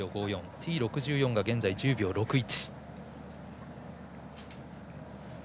Ｔ６４が現在１０秒６１。